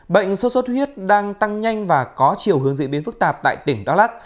bệnh sốt sốt huyết đang tăng nhanh và có chiều hướng dị biến phức tạp tại tỉnh đa lắc